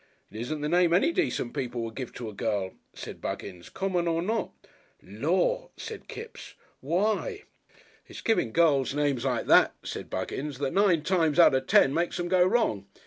"It isn't the name any decent people would give to a girl," said Buggins, " common or not." "Lor'!" said Kipps. "Why?" "It's giving girls names like that," said Buggins, "that nine times out of ten makes 'em go wrong.